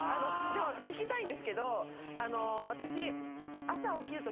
でも聞きたいんですけど私。